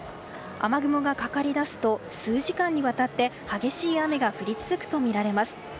雨雲がかかりだすと数時間にわたって激しい雨が降り続くとみられます。